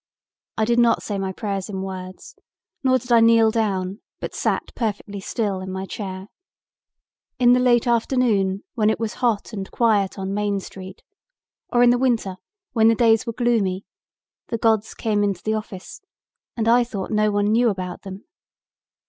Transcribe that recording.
"I did not say my prayers in words nor did I kneel down but sat perfectly still in my chair. In the late afternoon when it was hot and quiet on Main Street or in the winter when the days were gloomy, the gods came into the office and I thought no one knew about them.